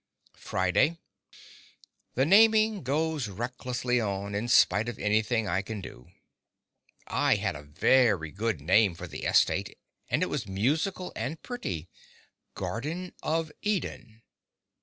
Friday The naming goes recklessly on, in spite of anything I can do. I had a very good name for the estate, and it was musical and pretty —GARDEN OF EDEN.